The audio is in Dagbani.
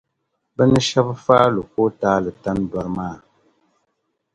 bɛ ni shɛb’ faai lu kootaali tandɔri maa.